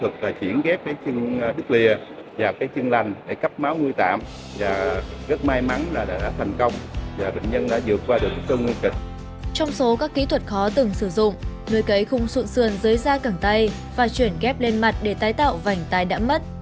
trong số các kỹ thuật khó từng sử dụng nuôi cấy không sụn sườn dưới da cẳng tay và chuyển ghép lên mặt để tái tạo vành tay đã mất